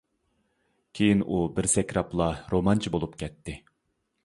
كىيىن ئۇ بىر سەكرەپلا رومانچى بولۇپ كەتتى.